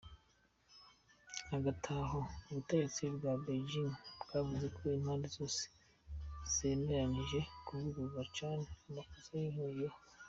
Hagataho, ubutegetsi bwa Beijing bwavuze ko impande zose zemeranije kwugurura cane amasoko bihurirako.